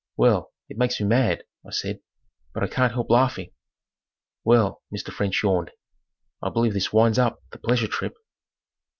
"Well, it makes me mad," I said, "but I can't help laughing." "Well," Mr. French yawned, "I believe this winds up the pleasure trip."